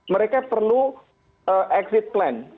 mereka perlu exit plan